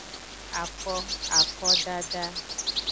Ako, akodada.